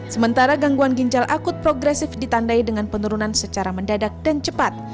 sementara gangguan ginjal akut progresif ditandai dengan penurunan secara mendadak dan cepat